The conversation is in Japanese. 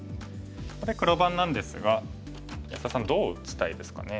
ここで黒番なんですが安田さんどう打ちたいですかね。